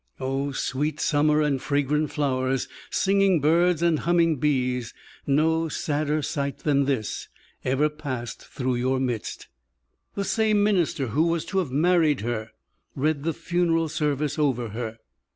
Oh! sweet summer and fragrant flowers, singing birds and humming bees, no sadder sight than this ever passed through your midst! The same minister who was to have married her read the funeral service over her.